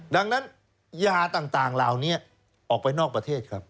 ดังนั้นยาต่างเหล่านี้ออกไปนอกประเทศครับ